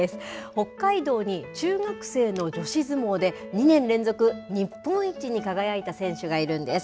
北海道に中学生の女子相撲で、２年連続日本一に輝いた選手がいるんです。